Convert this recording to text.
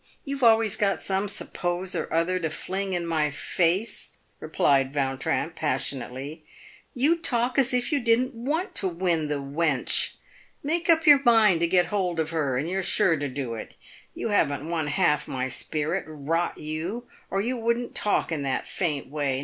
You have always got some ' suppose' or other to fling in my face," replied Yautrin, passionately. " You talk as if you didn't want to win the wench. Make up your mind to get hold of her, and you're sure to do it. You haven't one half my spirit, rot you, or you wouldn't talk in that faint way.